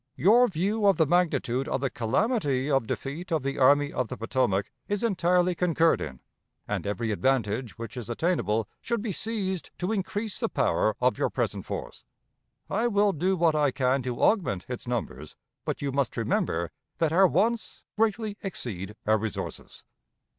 Your view of the magnitude of the calamity of defeat of the Army of the Potomac is entirely concurred in, and every advantage which is attainable should be seized to increase the power of your present force. I will do what I can to augment its numbers, but you must remember that our wants greatly exceed our resources.